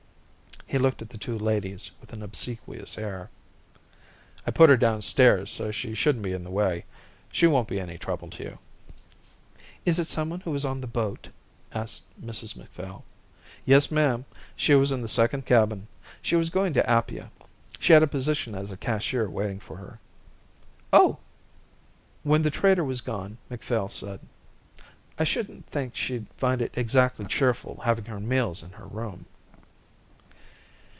He looked at the two ladies with an obsequious air. "I put her downstairs so she shouldn't be in the way. She won't be any trouble to you." "Is it someone who was on the boat?" asked Mrs Macphail. "Yes, ma'am, she was in the second cabin. She was going to Apia. She has a position as cashier waiting for her." "Oh!" When the trader was gone Macphail said: "I shouldn't think she'd find it exactly cheerful having her meals in her room."